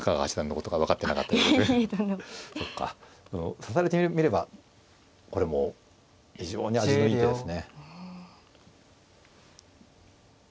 指されてみればこれも非常に味のいい手ですね。